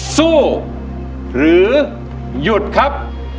สู้หรือหยุดครับ